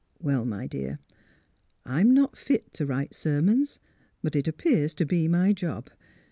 Well, my dear, I'm not fit to write sermons; but it ap pears to be my job.